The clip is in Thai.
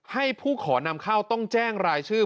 ให้ผู้ขอนำเข้าต้องแจ้งรายชื่อ